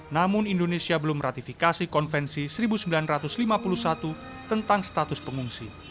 namun indonesia belum ratifikasi konvensi seribu sembilan ratus lima puluh satu tentang status pengungsi